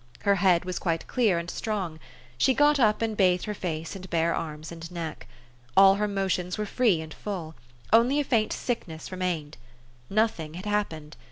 Her head was quite clear and strong. She got up, and bathed her face and bare arms and neck. All her motions were free and full ; only a faint sickness remained. Nothing had hap pened.